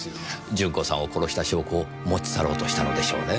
順子さんを殺した証拠を持ち去ろうとしたのでしょうね。